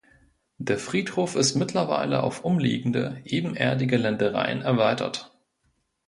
Der Friedhof ist mittlerweile auf umliegende, ebenerdige Ländereien erweitert.